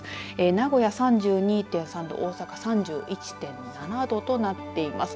名古屋３２．３度大阪３１．７度となっています。